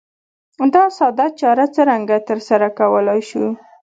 دا ساده چاره څرنګه ترسره کولای شو؟